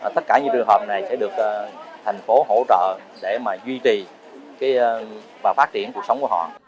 tất cả những trường hợp này sẽ được thành phố hỗ trợ để mà duy trì và phát triển cuộc sống của họ